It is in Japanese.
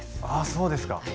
あそうですか。